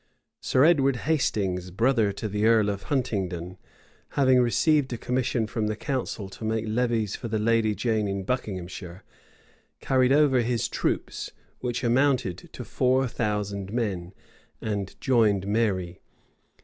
[*] Sir Edward Hastings, brother to the earl of Huntingdon, having received a commission from the council to make levies for the lady Jane in Buckinghamshire, carried over his troops, which amounted to four thousand men, and joined Mary.